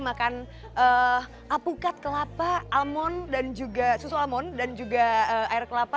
makan apukat kelapa susu almon dan juga air kelapa